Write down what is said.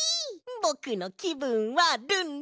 ぼくのきぶんはルンルン！